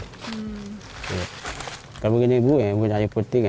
kalau begini saya membuatnya agak putih